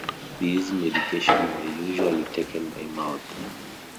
These medications are usually taken by mouth.